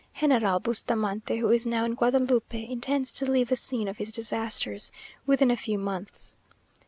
General Bustamante, who is now in Guadalupe, intends to leave the scene of his disasters within a few months.